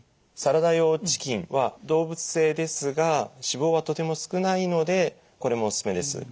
サラダ用チキンは動物性ですが脂肪はとても少ないのでこれもおすすめです。